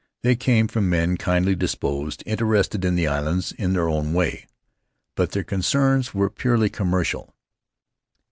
They came from men kindly disposed, interested in the islands in their own way. But their concerns were purely commercial.